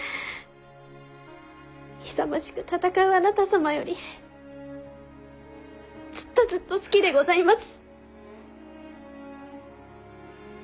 勇ましく戦うあなた様よりずっとずっと好きでございます。